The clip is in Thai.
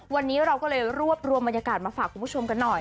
วันนี้เราก็เลยรวบรวมบรรยากาศมาฝากคุณผู้ชมกันหน่อย